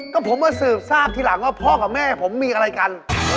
ก็ผมมาสืบทราบทีหลังว่าพ่อกับแม่ผมมีอะไรกัน